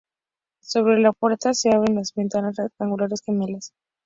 Sobre la puerta se abren dos ventanas rectangulares gemelas.